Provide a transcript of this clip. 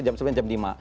jam sembilan jam lima